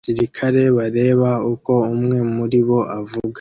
Abasirikare bareba uko umwe muri bo avuga